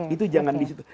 itu jangan disitu